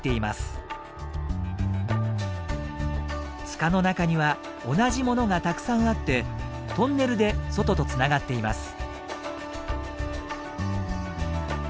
塚の中には同じものがたくさんあってトンネルで外とつながっています。